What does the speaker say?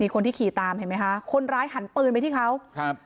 คนที่ขี่ตามเห็นไหมคะคนร้ายหันปืนไปที่เขาครับ